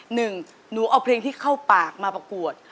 หนูเอาเพลงที่เข้าปากมาประกวด